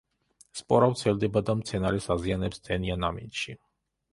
სპორა ვრცელდება და მცენარეს აზიანებს ტენიან ამინდში.